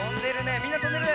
みんなとんでるね。